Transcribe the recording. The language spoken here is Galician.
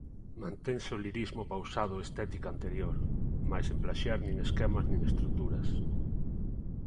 Mantense o lirismo pausado e estética anterior, mais sen plaxiar nin esquemas nin estruturas.